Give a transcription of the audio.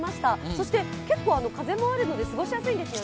そして結構風もあるので過ごしやすいんですよね。